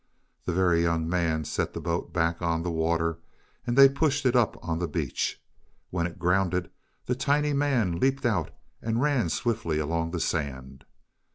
The Very Young Man set the boat back on the water, and they pushed it up on the beach. When it grounded the tiny man leaped out and ran swiftly along the sand.